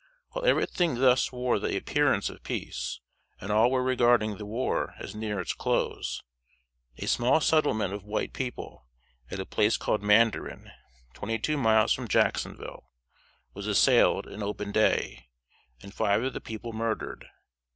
While everything thus wore the appearance of peace, and all were regarding the war as near its close, a small settlement of white people, at a place called Mandarin, twenty two miles from Jacksonville, was assailed in open day, and five of the people murdered.